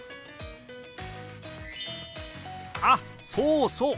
あっそうそう！